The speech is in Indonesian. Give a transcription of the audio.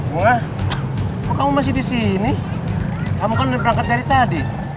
bunga kok kamu masih disini kamu kan udah berangkat dari tadi